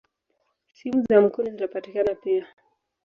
Simu za mkono zinapatikana pia.